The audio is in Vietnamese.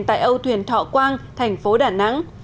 tại âu thuyền thọ quang thành phố đà nẵng